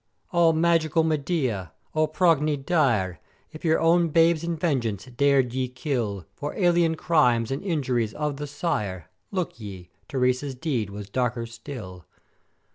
"O magical Medea! O Progne dire! if your own babes in vengeance dared ye kill for alien crimes, and injuries of the sire, look ye, Teresa's deed was darker still.